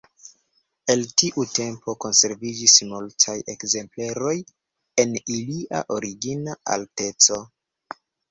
El tiu tempo konserviĝis multaj ekzempleroj en ilia origina alteco.